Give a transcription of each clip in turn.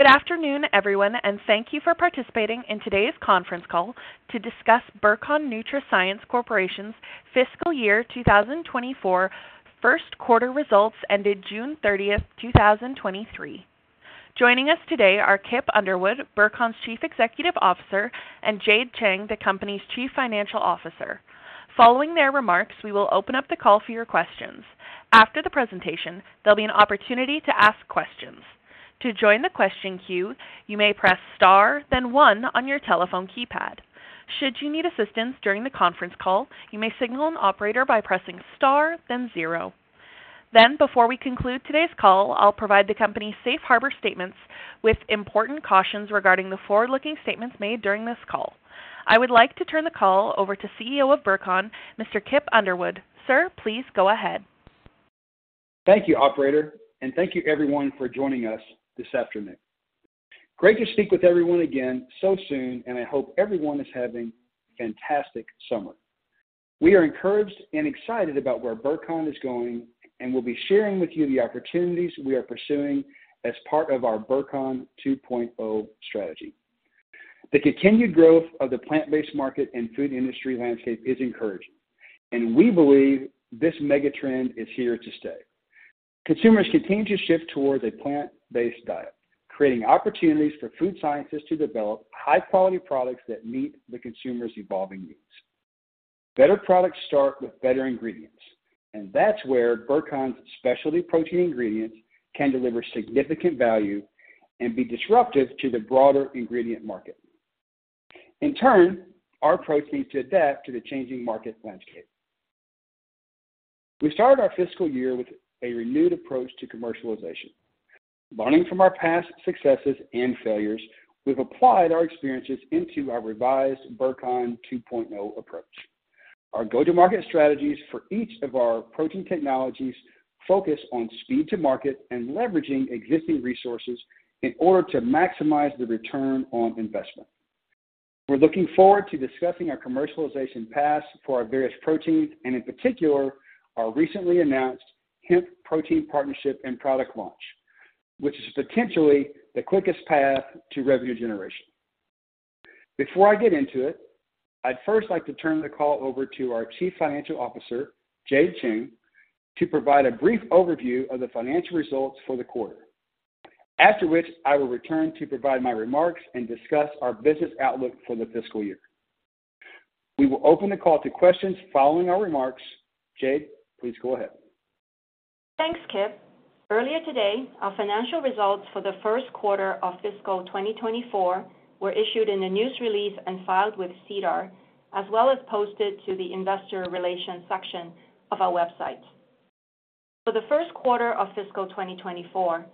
Good afternoon, everyone, and thank you for participating in today's conference call to discuss Burcon NutraScience Corporation fiscal year 2024 first quarter results ended June 30th, 2023. Joining us today are Kip Underwood, Burcon's Chief Executive Officer, and Jade Cheng, the company's Chief Financial Officer. Following their remarks, we will open up the call for your questions. After the presentation, there'll be an opportunity to ask questions. To join the question queue, you may press star, then one on your telephone keypad. Should you need assistance during the conference call, you may signal an operator by pressing star, then zero. Before we conclude today's call, I'll provide the company's safe harbor statements with important cautions regarding the forward-looking statements made during this call. I would like to turn the call over to CEO of Burcon, Mr. Kip Underwood. Sir, please go ahead. Thank you, operator, and thank you everyone for joining us this afternoon. Great to speak with everyone again so soon, and I hope everyone is having a fantastic summer. We are encouraged and excited about where Burcon is going, and we'll be sharing with you the opportunities we are pursuing as part of our Burcon 2.0 strategy. The continued growth of the plant-based market and food industry landscape is encouraging, and we believe this mega trend is here to stay. Consumers continue to shift towards a plant-based diet, creating opportunities for food scientists to develop high-quality products that meet the consumer's evolving needs. Better products start with better ingredients, and that's where Burcon's specialty protein ingredients can deliver significant value and be disruptive to the broader ingredient market. In turn, our approach needs to adapt to the changing market landscape. We started our fiscal year with a renewed approach to commercialization. Learning from our past successes and failures, we've applied our experiences into our revised Burcon 2.0 approach. Our go-to-market strategies for each of our protein technologies focus on speed to market and leveraging existing resources in order to maximize the return on investment. We're looking forward to discussing our commercialization paths for our various proteins and, in particular, our recently announced hemp protein partnership and product launch, which is potentially the quickest path to revenue generation. Before I get into it, I'd first like to turn the call over to our Chief Financial Officer, Jade Cheng, to provide a brief overview of the financial results for the quarter. After which, I will return to provide my remarks and discuss our business outlook for the fiscal year. We will open the call to questions following our remarks. Jade, please go ahead. Thanks, Kip. Earlier today, our financial results for the first quarter of fiscal 2024 were issued in a news release and filed with SEDAR, as well as posted to the investor relations section of our website. For the first quarter of fiscal 2024,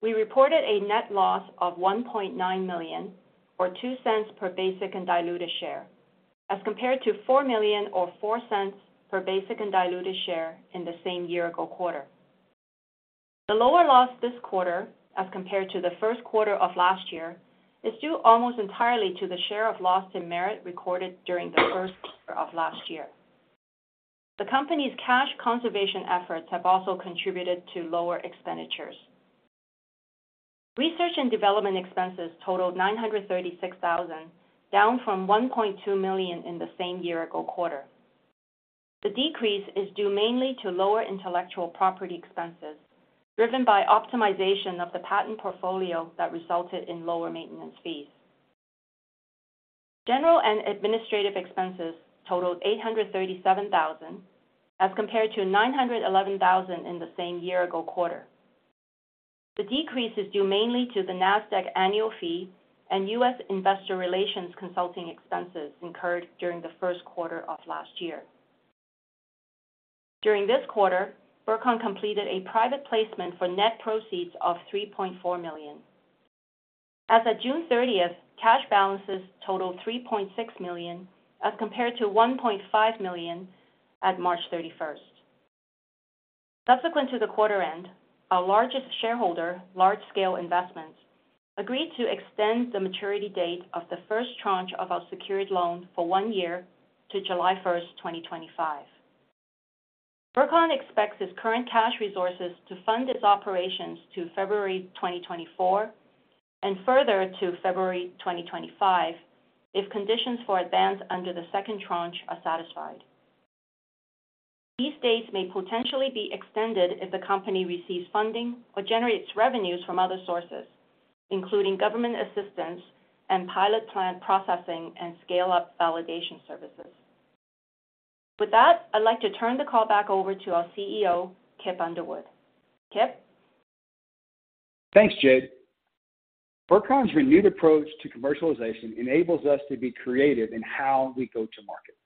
we reported a net loss of 1.9 million, or 0.02 per basic and diluted share, as compared to 4 million or 0.04 per basic and diluted share in the same year-ago quarter. The lower loss this quarter, as compared to the first quarter of last year, is due almost entirely to the share of loss in Merit recorded during the first quarter of last year. The company's cash conservation efforts have also contributed to lower expenditures. Research and development expenses totaled 936,000, down from 1.2 million in the same year-ago quarter. The decrease is due mainly to lower intellectual property expenses, driven by optimization of the patent portfolio that resulted in lower maintenance fees. General and administrative expenses totaled 837,000, as compared to 911,000 in the same year-ago quarter. The decrease is due mainly to the NASDAQ annual fee and U.S. investor relations consulting expenses incurred during the first quarter of last year. During this quarter, Burcon completed a private placement for net proceeds of 3.4 million. As of June 30th, cash balances totaled 3.6 million, as compared to 1.5 million at March 31st. Subsequent to the quarter end, our largest shareholder, Large Scale Investments, agreed to extend the maturity date of the first tranche of our secured loan for 1 year to July 1st, 2025. Burcon expects its current cash resources to fund its operations to February 2024 and further to February 2025, if conditions for advance under the second tranche are satisfied. These dates may potentially be extended if the company receives funding or generates revenues from other sources, including government assistance and pilot plant processing and scale-up validation services. With that, I'd like to turn the call back over to our CEO, Kip Underwood. Kip? Thanks, Jade. Burcon's renewed approach to commercialization enables us to be creative in how we go to market.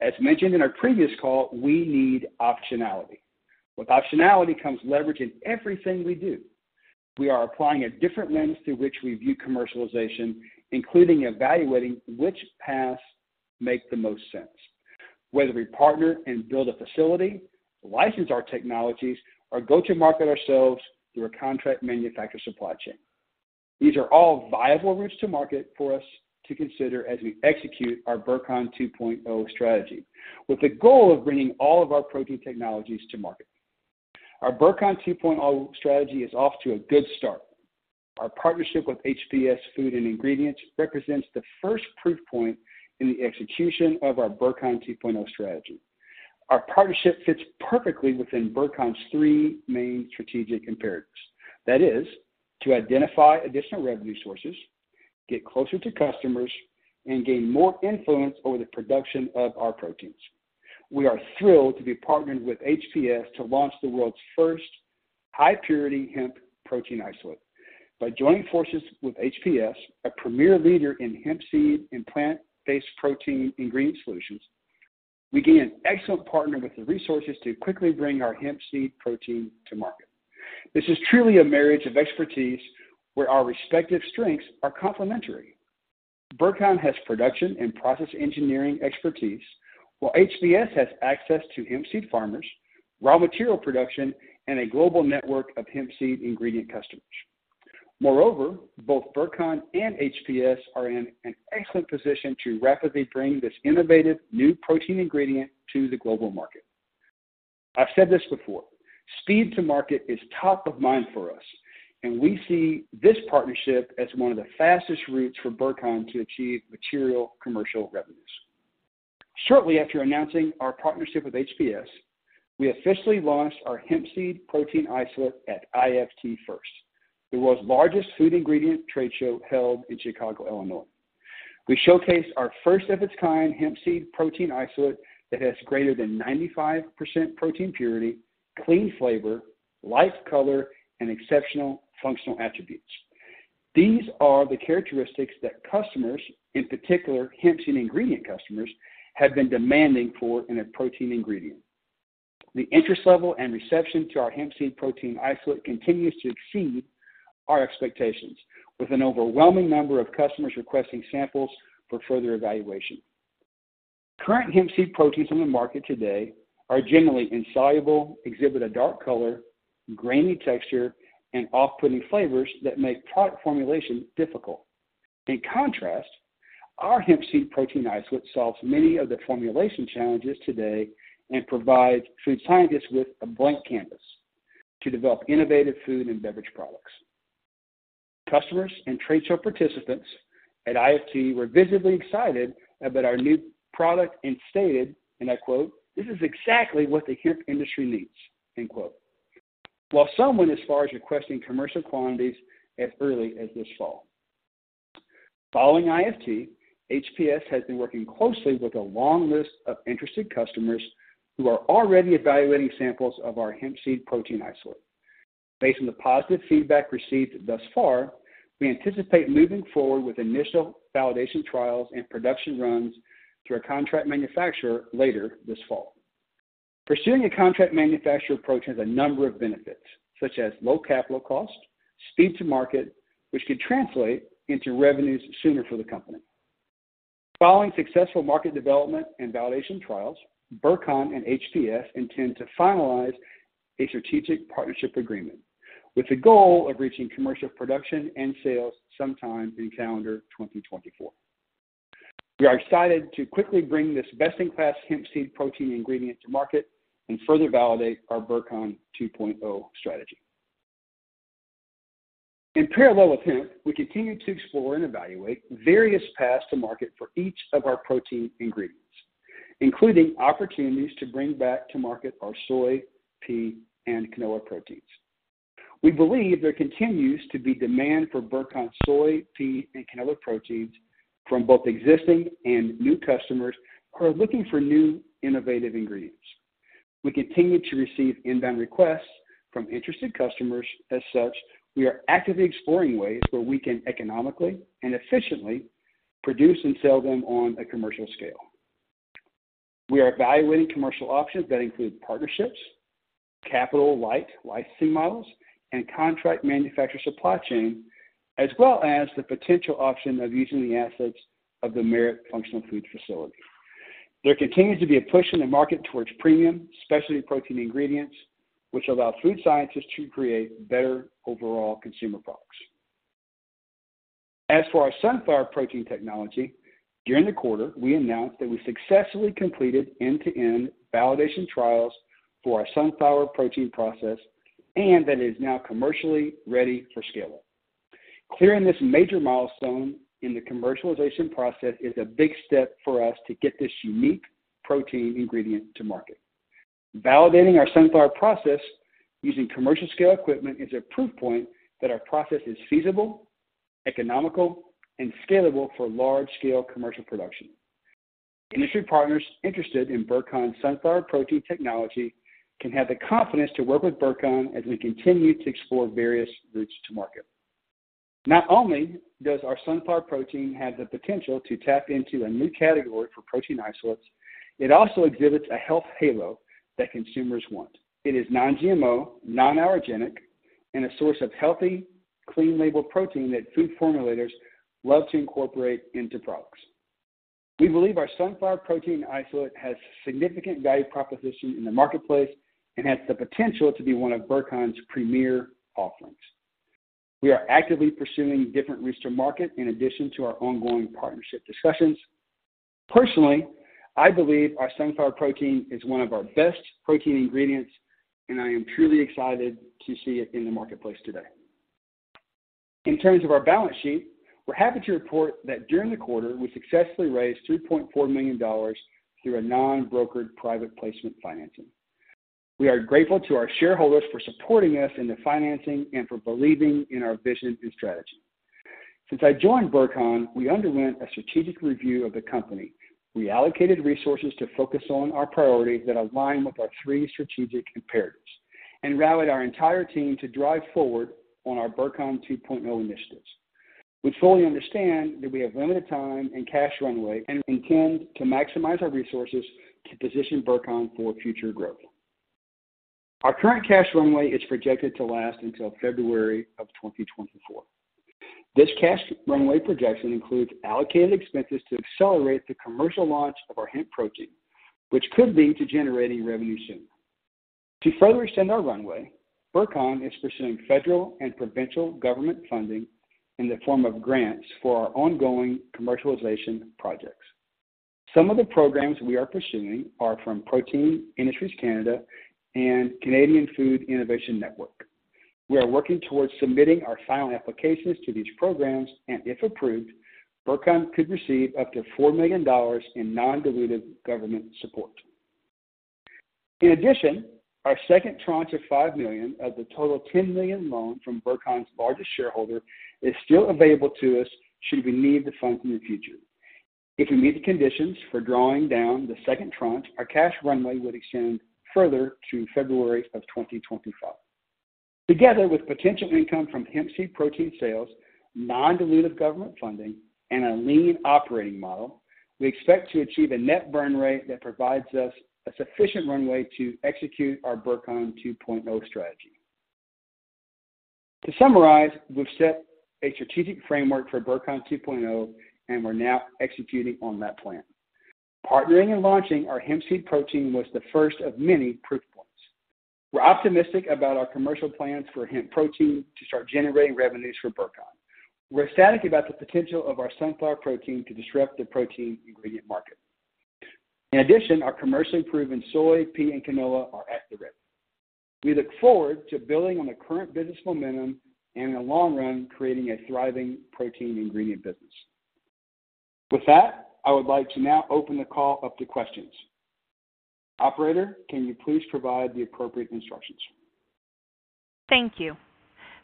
As mentioned in our previous call, we need optionality. With optionality comes leverage in everything we do. We are applying a different lens through which we view commercialization, including evaluating which paths make the most sense, whether we partner and build a facility, license our technologies, or go to market ourselves through a contract manufacturer supply chain. These are all viable routes to market for us to consider as we execute our Burcon 2.0 strategy, with the goal of bringing all of our protein technologies to market. Our Burcon 2.0 strategy is off to a good start. Our partnership with HPS Food and Ingredients represents the first proof point in the execution of our Burcon 2.0 strategy. Our partnership fits perfectly within Burcon's three main strategic imperatives. That is, to identify additional revenue sources, get closer to customers, and gain more influence over the production of our proteins. We are thrilled to be partnered with HPS to launch the world's first high-purity hemp protein isolate. By joining forces with HPS, a premier leader in hemp seed and plant-based protein ingredient solutions, we gain an excellent partner with the resources to quickly bring our hemp seed protein to market. This is truly a marriage of expertise, where our respective strengths are complementary. Burcon has production and process engineering expertise, while HPS has access to hemp seed farmers, raw material production, and a global network of hemp seed ingredient customers. Moreover, both Burcon and HPS are in an excellent position to rapidly bring this innovative new protein ingredient to the global market. I've said this before, speed to market is top of mind for us, and we see this partnership as one of the fastest routes for Burcon to achieve material commercial revenues. Shortly after announcing our partnership with HPS, we officially launched our hemp seed protein isolate at IFT FIRST, the world's largest food ingredient trade show held in Chicago, Illinois. We showcased our first-of-its-kind hemp seed protein isolate that has greater than 95% protein purity, clean flavor, light color, and exceptional functional attributes. These are the characteristics that customers, in particular, hemp seed ingredient customers, have been demanding for in a protein ingredient. The interest level and reception to our hemp seed protein isolate continues to exceed our expectations, with an overwhelming number of customers requesting samples for further evaluation. Current hemp seed proteins on the market today are generally insoluble, exhibit a dark color, grainy texture, and off-putting flavors that make product formulation difficult. In contrast, our Hemp Seed Protein Isolate solves many of the formulation challenges today and provides food scientists with a blank canvas to develop innovative food and beverage products. Customers and trade show participants at IFT were visibly excited about our new product and stated, and I quote, "This is exactly what the hemp industry needs," end quote. While some went as far as requesting commercial quantities as early as this fall. Following IFT, HPS has been working closely with a long list of interested customers who are already evaluating samples of our Hemp Seed Protein Isolate. Based on the positive feedback received thus far, we anticipate moving forward with initial validation trials and production runs through a contract manufacturer later this fall. Pursuing a contract manufacturer approach has a number of benefits, such as low capital cost, speed to market, which could translate into revenues sooner for the company. Following successful market development and validation trials, Burcon and HPS intend to finalize a strategic partnership agreement with the goal of reaching commercial production and sales sometime in calendar 2024. We are excited to quickly bring this best-in-class hemp seed protein ingredient to market and further validate our Burcon 2.0 strategy. In parallel with hemp, we continue to explore and evaluate various paths to market for each of our protein ingredients, including opportunities to bring back to market our soy, pea, and canola proteins. We believe there continues to be demand for Burcon soy, pea, and canola proteins from both existing and new customers who are looking for new, innovative ingredients. We continue to receive inbound requests from interested customers. As such, we are actively exploring ways where we can economically and efficiently produce and sell them on a commercial scale. We are evaluating commercial options that include partnerships, capital-light licensing models, and contract manufacturer supply chain, as well as the potential option of using the assets of the Merit Functional Foods facility. There continues to be a push in the market towards premium, specialty protein ingredients, which allow food scientists to create better overall consumer products. As for our sunflower protein technology, during the quarter, we announced that we successfully completed end-to-end validation trials for our sunflower protein process and that it is now commercially ready for scale-up. Clearing this major milestone in the commercialization process is a big step for us to get this unique protein ingredient to market. Validating our sunflower process using commercial-scale equipment is a proof point that our process is feasible, economical, and scalable for large-scale commercial production. Industry partners interested in Burcon sunflower protein technology can have the confidence to work with Burcon as we continue to explore various routes to market. Not only does our sunflower protein have the potential to tap into a new category for protein isolates, it also exhibits a health halo that consumers want. It is non-GMO, non-allergenic, and a source of healthy, clean-label protein that food formulators love to incorporate into products. We believe our sunflower protein isolate has significant value proposition in the marketplace and has the potential to be one of Burcon's premier offerings. We are actively pursuing different routes to market in addition to our ongoing partnership discussions. Personally, I believe our sunflower protein is one of our best protein ingredients, and I am truly excited to see it in the marketplace today. In terms of our balance sheet, we're happy to report that during the quarter, we successfully raised 3.4 million dollars through a non-brokered private placement financing. We are grateful to our shareholders for supporting us in the financing and for believing in our vision and strategy. Since I joined Burcon, we underwent a strategic review of the company. We allocated resources to focus on our priorities that align with our three strategic imperatives and rallied our entire team to drive forward on our Burcon 2.0 initiatives. We fully understand that we have limited time and cash runway, and intend to maximize our resources to position Burcon for future growth. Our current cash runway is projected to last until February of 2024. This cash runway projection includes allocated expenses to accelerate the commercial launch of our hemp protein, which could lead to generating revenue soon. To further extend our runway, Burcon is pursuing federal and provincial government funding in the form of grants for our ongoing commercialization projects. Some of the programs we are pursuing are from Protein Industries Canada and Canadian Food Innovation Network. We are working towards submitting our final applications to these programs, and if approved, Burcon could receive up to 4 million dollars in non-dilutive government support. In addition, our second tranche of 5 million of the total 10 million loan from Burcon's largest shareholder is still available to us, should we need the funds in the future. If we meet the conditions for drawing down the second tranche, our cash runway would extend further to February of 2025. Together with potential income from hemp seed protein sales, non-dilutive government funding, and a lean operating model, we expect to achieve a net burn rate that provides us a sufficient runway to execute our Burcon 2.0 strategy. To summarize, we've set a strategic framework for Burcon 2.0, and we're now executing on that plan. Partnering and launching our hemp seed protein was the first of many proof points. We're optimistic about our commercial plans for hemp protein to start generating revenues for Burcon. We're ecstatic about the potential of our sunflower protein to disrupt the protein ingredient market. In addition, our commercially proven soy, pea, and canola are at the ready. We look forward to building on the current business momentum and, in the long run, creating a thriving protein ingredient business. With that, I would like to now open the call up to questions. Operator, can you please provide the appropriate instructions? Thank you.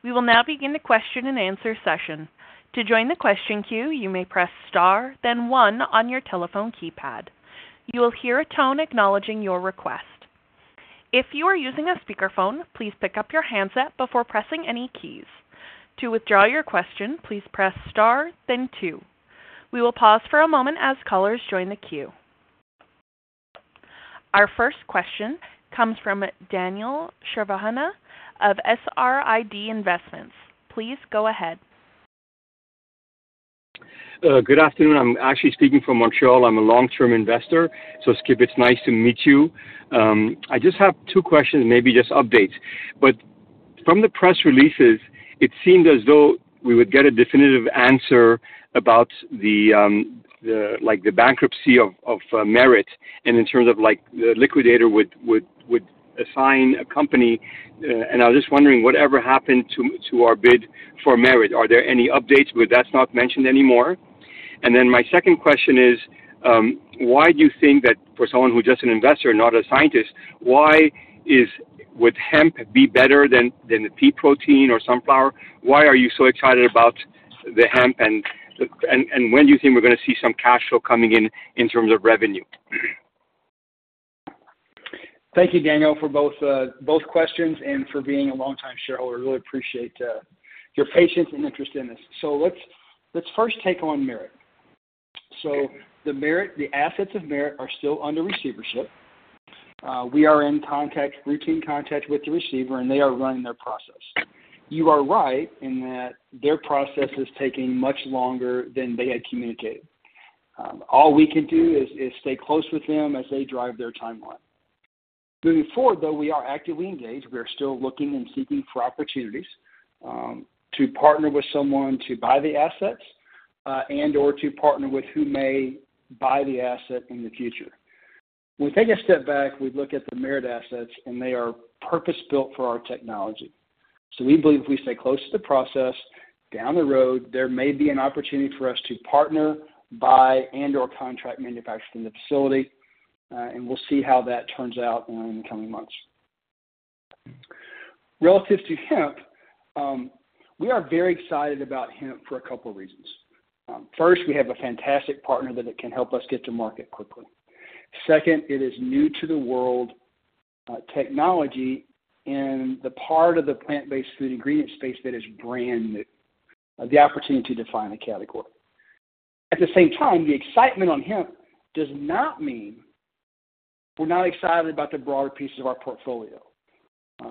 We will now begin the question-and-answer session. To join the question queue, you may press star then One on your telephone keypad. You will hear a tone acknowledging your request. If you are using a speakerphone, please pick up your handset before pressing any keys. To withdraw your question, please press star then two. We will pause for a moment as callers join the queue. Our first question comes from Daniel Shahrabani of SRID Investments. Please go ahead. Good afternoon. I'm actually speaking from Montreal. I'm a long-term investor, Kip, it's nice to meet you. I just have two questions, maybe just updates, from the press releases, it seemed as though we would get a definitive answer about the bankruptcy of Merit, and in terms of the liquidator would, would, would assign a company. I was just wondering, whatever happened to our bid for Merit? Are there any updates? That's not mentioned anymore. My second question is, why do you think that for someone who's just an investor, not a scientist, would hemp be better than the pea protein or sunflower? Why are you so excited about the hemp, and when do you think we're gonna see some cash flow coming in, in terms of revenue? Thank you, Daniel, for both, both questions and for being a long-time shareholder. I really appreciate your patience and interest in this. Let's, let's first take on Merit. The Merit, the assets of Merit are still under receivership. We are in contact, routine contact with the receiver, and they are running their process. You are right in that their process is taking much longer than they had communicated. All we can do is, is stay close with them as they drive their timeline. Moving forward, though, we are actively engaged. We are still looking and seeking for opportunities to partner with someone to buy the assets, and/or to partner with who may buy the asset in the future. When we take a step back, we look at the Merit assets, and they are purpose-built for our technology. We believe if we stay close to the process, down the road, there may be an opportunity for us to partner, buy, and/or contract manufacture in the facility, and we'll see how that turns out in the coming months. Relative to hemp, we are very excited about hemp for a couple reasons. First, we have a fantastic partner that can help us get to market quickly. Second, it is new-to-the-world technology and the part of the plant-based food ingredient space that is brand new. The opportunity to define a category. At the same time, the excitement on hemp does not mean we're not excited about the broader pieces of our portfolio.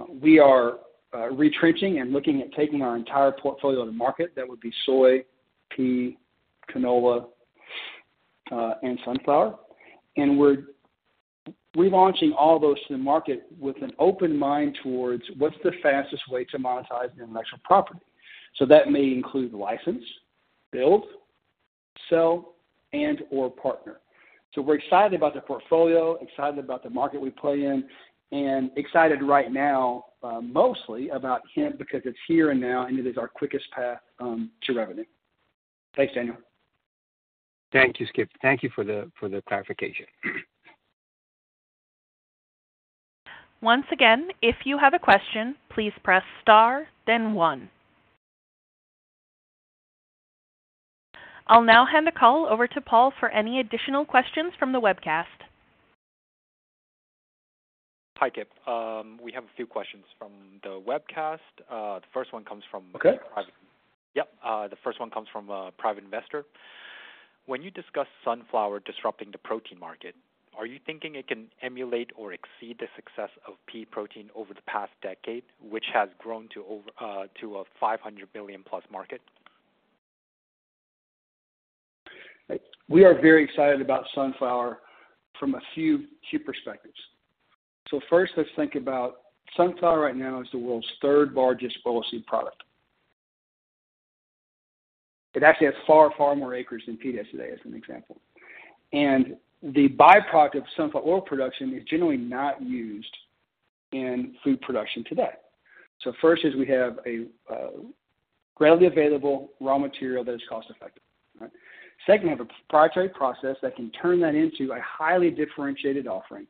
We are retrenching and looking at taking our entire portfolio to market. That would be soy, pea, canola, and sunflower. We're relaunching all those to the market with an open mind towards what's the fastest way to monetize the intellectual property. That may include license, build, sell, and or partner. We're excited about the portfolio, excited about the market we play in, and excited right now, mostly about hemp because it's here and now, and it is our quickest path to revenue. Thanks, Daniel. Thank you, Kip. Thank you for the, for the clarification. Once again, if you have a question, please press star then one. I'll now hand the call over to Paul for any additional questions from the webcast. Hi, Kip. We have a few questions from the webcast. The first one comes from... Okay. Yep. The first one comes from Private Investor. When you discuss sunflower disrupting the protein market, are you thinking it can emulate or exceed the success of pea protein over the past decade, which has grown to over, to a 500 billion plus market? We are very excited about sunflower from a few, few perspectives. First, let's think about sunflower right now is the world's third largest oil seed product. It actually has far, far more acres than pea does today, as an example. The byproduct of sunflower oil production is generally not used in food production today. First is we have a greatly available raw material that is cost-effective. All right. Second, we have a proprietary process that can turn that into a highly differentiated offering,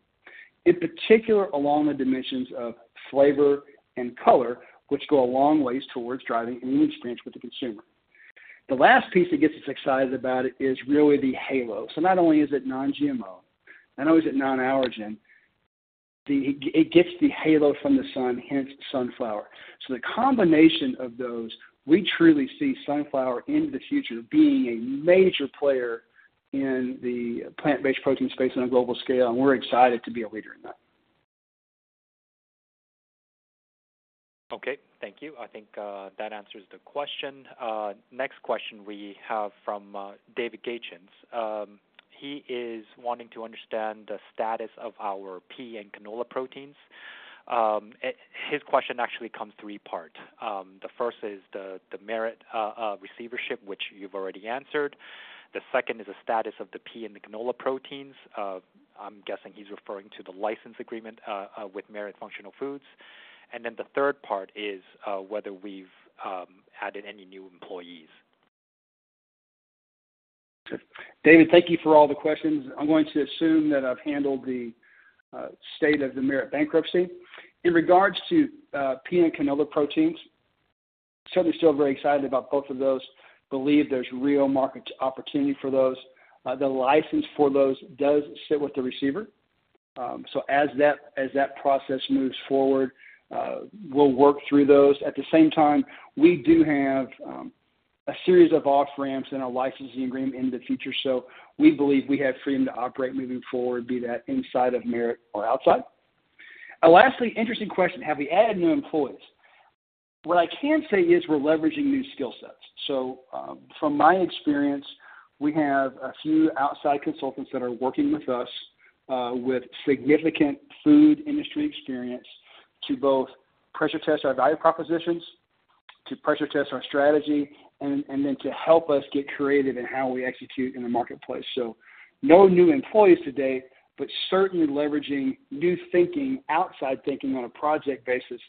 in particular, along the dimensions of flavor and color, which go a long ways towards driving an image experience with the consumer. The last piece that gets us excited about it is really the halo. Not only is it non-GMO, not only is it non-allergenic, it gets the halo from the sun, hence sunflower. The combination of those, we truly see sunflower in the future being a major player in the plant-based protein space on a global scale, and we're excited to be a leader in that. Okay, thank you. I think that answers the question. Next question we have from David Gakins. He is wanting to understand the status of our pea and canola proteins. His question actually comes 3 parts. The 1st is the, the Merit receivership, which you've already answered. The 2nd is the status of the pea and the canola proteins. I'm guessing he's referring to the license agreement with Merit Functional Foods. The 3rd part is whether we've added any new employees. David, thank you for all the questions. I'm going to assume that I've handled the state of the Merit bankruptcy. In regards to pea and canola proteins, certainly still very excited about both of those. Believe there's real market opportunity for those. The license for those does sit with the receiver. So as that, as that process moves forward, we'll work through those. At the same time, we do have a series of off-ramps in our licensing agreement in the future, so we believe we have freedom to operate moving forward, be that inside of Merit or outside. Lastly, interesting question: Have we added new employees? What I can say is we're leveraging new skill sets. From my experience, we have a few outside consultants that are working with us, with significant food industry experience to both pressure test our value propositions, to pressure test our strategy, and then to help us get creative in how we execute in the marketplace. No new employees today, but certainly leveraging new thinking, outside thinking on a project basis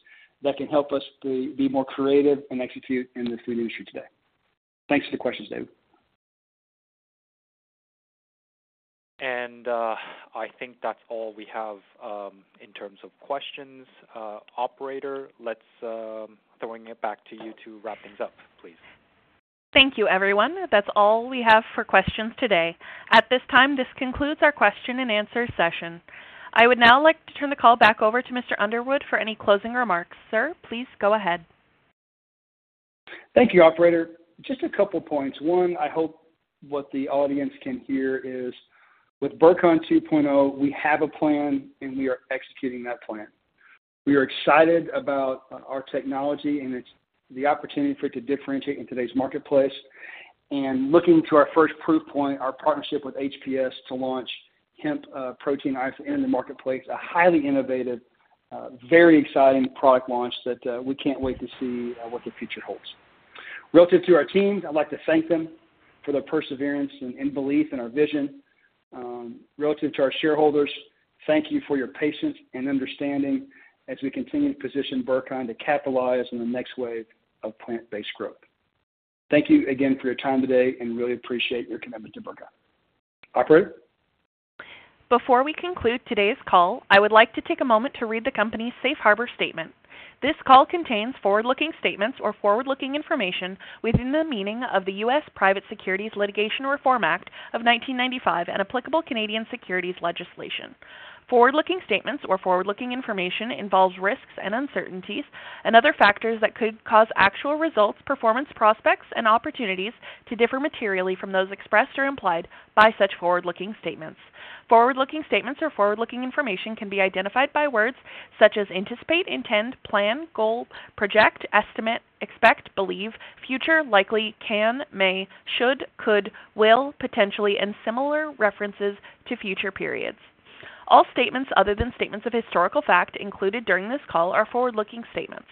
that can help us be more creative and execute in the food industry today. Thanks for the questions, David. I think that's all we have in terms of questions. Operator, let's throwing it back to you to wrap things up, please. Thank you, everyone. That's all we have for questions today. At this time, this concludes our question and answer session. I would now like to turn the call back over to Mr. Underwood for any closing remarks. Sir, please go ahead. Thank you, operator. Just a couple of points. One, I hope what the audience can hear is with Burcon 2.0, we have a plan, and we are executing that plan. We are excited about our technology and its the opportunity for it to differentiate in today's marketplace, and looking to our first proof point, our partnership with HPS to launch hemp protein isolate in the marketplace, a highly innovative, very exciting product launch that we can't wait to see what the future holds. Relative to our teams, I'd like to thank them for their perseverance and belief in our vision. Relative to our shareholders, thank you for your patience and understanding as we continue to position Burcon to capitalize on the next wave of plant-based growth. Thank you again for your time today, and really appreciate your commitment to Burcon. Operator? Before we conclude today's call, I would like to take a moment to read the company's safe harbor statement. This call contains forward-looking statements or forward-looking information within the meaning of the U.S. Private Securities Litigation Reform Act of 1995 and applicable Canadian securities legislation. Forward-looking statements or forward-looking information involves risks and uncertainties and other factors that could cause actual results, performance, prospects, and opportunities to differ materially from those expressed or implied by such forward-looking statements. Forward-looking statements or forward-looking information can be identified by words such as anticipate, intend, plan, goal, project, estimate, expect, believe, future, likely, can, may, should, could, will, potentially, and similar references to future periods. All statements other than statements of historical fact included during this call are forward-looking statements.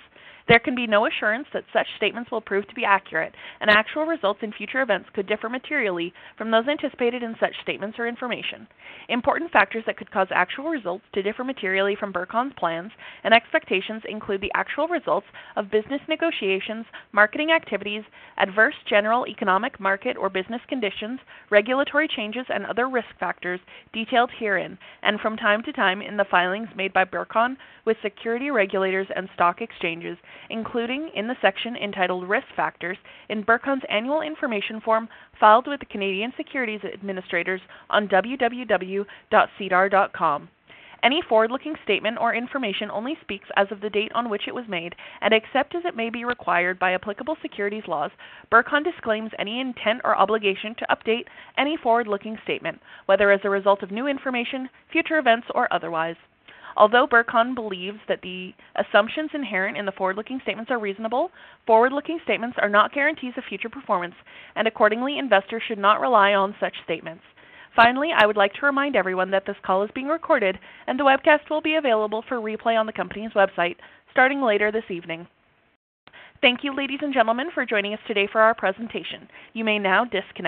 There can be no assurance that such statements will prove to be accurate, and actual results in future events could differ materially from those anticipated in such statements or information. Important factors that could cause actual results to differ materially from Burcon's plans and expectations include the actual results of business negotiations, marketing activities, adverse general economic market or business conditions, regulatory changes, and other risk factors detailed herein and from time to time in the filings made by Burcon with security regulators and stock exchanges, including in the section entitled Risk Factors in Burcon's Annual Information Form filed with the Canadian Securities Administrators on www.sedarplus.ca. Any forward-looking statement or information only speaks as of the date on which it was made, and except as it may be required by applicable securities laws, Burcon disclaims any intent or obligation to update any forward-looking statement, whether as a result of new information, future events, or otherwise. Although Burcon believes that the assumptions inherent in the forward-looking statements are reasonable, forward-looking statements are not guarantees of future performance, and accordingly, investors should not rely on such statements. Finally, I would like to remind everyone that this call is being recorded, and the webcast will be available for replay on the company's website starting later this evening. Thank you, ladies and gentlemen, for joining us today for our presentation. You may now disconnect.